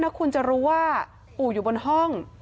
แล้วคุณจะรู้ว่าอู่อยู่บนห้อง